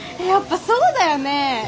やっぱそうだよね。